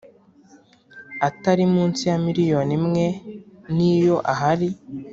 atari munsi ya miliyoni imwe niyo ahari.